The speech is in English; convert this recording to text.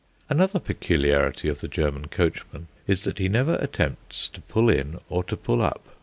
Another peculiarity of the German coachman is that he never attempts to pull in or to pull up.